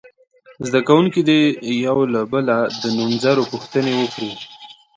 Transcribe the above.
زده کوونکي دې یو له بله د نومځرو پوښتنې وکړي.